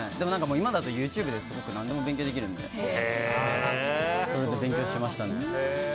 でも、今だとＹｏｕＴｕｂｅで何でも勉強できるのでそれで勉強しましたね。